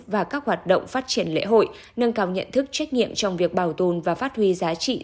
và các hoạt động phát triển lễ hội nâng cao nhận thức trách nhiệm trong việc bảo tồn và phát huy giá trị